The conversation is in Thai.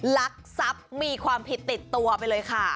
ลักทรัพย์มีความผิดติดตัวไปเลยค่ะ